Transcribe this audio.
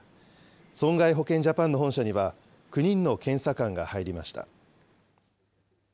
損害保険ジャパンの本社には、９人の検査官が入りました。